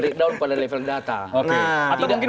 kalau itu masukan